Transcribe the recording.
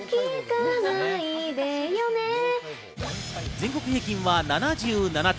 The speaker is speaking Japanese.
全国平均は７７点。